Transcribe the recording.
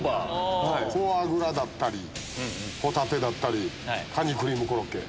フォアグラだったりホタテ蟹クリームコロッケ。